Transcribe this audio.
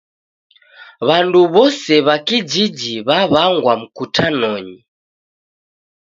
W'andu w'ose w'a kijiji w'aw'angwa mkutanony